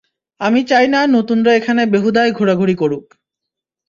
আমি চাই না নতুনরা এখানে বেহুদাই ঘোরাঘুরি করুক!